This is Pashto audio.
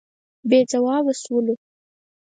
بې ځوابه شولو.